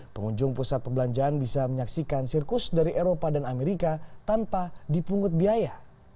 pengunjung pusat perbelanjaan bisa menyaksikan sirkus dari eropa dan amerika tanpa dipungut biaya